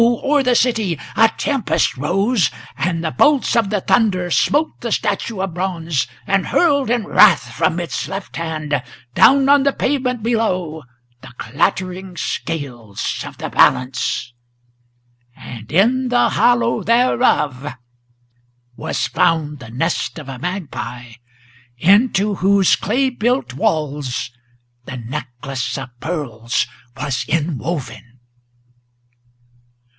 o'er the city a tempest rose; and the bolts of the thunder Smote the statue of bronze, and hurled in wrath from its left hand Down on the pavement below the clattering scales of the balance, And in the hollow thereof was found the nest of a magpie, Into whose clay built walls the necklace of pearls was inwoven."